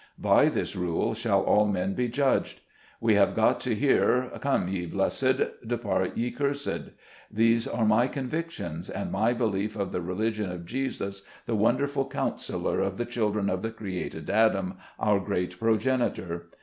By this rule shall all men be judged. We have got to hear, "Come, ye blessed; depart, ye cursed!" These are my convictions, and my belief of the religion of Jesus, the wonderful Counsellor of the children of the created Adam, our great progenitor.